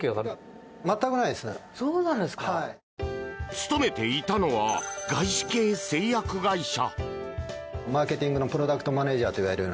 勤めていたのは外資系製薬会社。